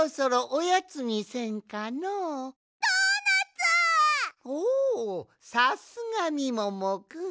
おおさすがみももくん！